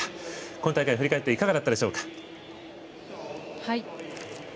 今大会、振り返っていかがだったでしょうか。